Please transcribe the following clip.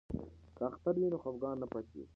که اختر وي نو خفګان نه پاتیږي.